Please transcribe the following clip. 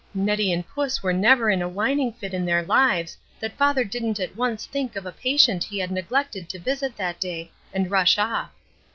Neddie and Puss were never in a whining fit in their lives that father didn't at once think of a patient he had neglected to visit that day, and rush off."